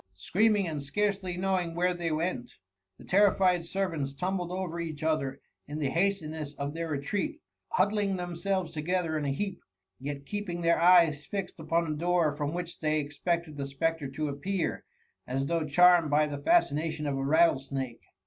Screaming, and scarcely knowing where they went, the terrified servants tumbled over each other in the hastiuess of their retreat, huddling themselves together in a heap, yet keeping their eyes fixed upon the door from which they expected the spectre to appear, as though charmed by the fascination of a rattlesnake.